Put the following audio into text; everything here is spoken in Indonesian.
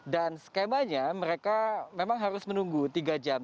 dan skemanya mereka memang harus menunggu tiga jam